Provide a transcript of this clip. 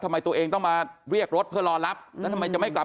ทำไมตัวเองต้องมาเรียกรถเพื่อรอรับแล้วทำไมจะไม่กลับ